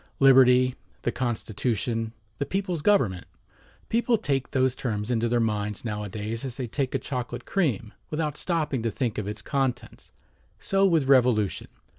"Liberty," "The Constitution," "The People's Government," people take those terms into their minds nowadays as they take a chocolate cream, without stopping to think of its contents. So with "Revolution."